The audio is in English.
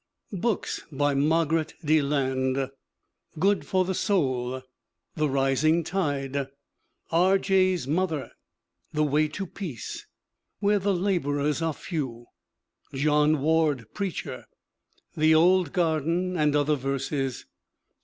BOOKS BY MARGARET DELAND Good for the Soul. The Rising Tide. R. J.'s Mother. The Way to Peace. Where the Laborers Are Few. John Ward, Preacher. The Old Garden and Other Verses.